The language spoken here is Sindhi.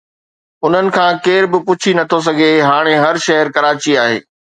انهن کان ڪير به بچي نٿو سگهي هاڻي هر شهر ڪراچي آهي.